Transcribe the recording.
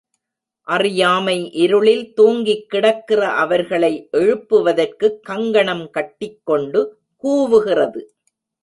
அறியாமை இருளில் தூங்கிக் கிடக்கிற அவர்களை எழுப்புவதற்குக் கங்கணம் கட்டிக் கொண்டு கூவுகிறது.